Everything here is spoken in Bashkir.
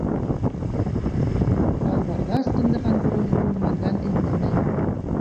Аҙбарҙа ысҡындырған бүрене урмандан эҙләмә.